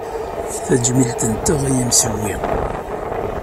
Tajmilt-nteɣ i yimsewwi.